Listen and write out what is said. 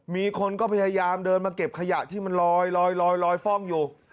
มีคนก็พยายามเดินมาเก็บขยะที่มันลอยฟ่องอยู่